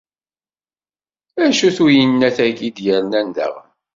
acu-t uyennat-aki d-yernan daɣen?